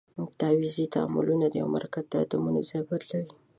تعویضي تعاملونه د یوه مرکب د اتومونو ځای بدلوي.